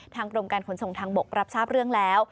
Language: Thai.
กรมการขนส่งทางบกรับทราบเรื่องแล้ว